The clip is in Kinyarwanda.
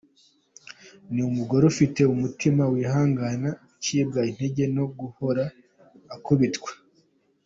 Niyo umugore ufite umutima wihangana acibwa intege no guhora akubitwa.